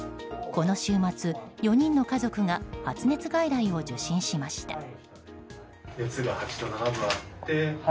この週末、４人の家族が発熱外来を受診しました。